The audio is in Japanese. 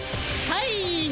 はい。